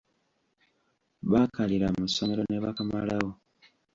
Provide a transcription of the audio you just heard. Baakaliira mu ssomero ne bakamalawo.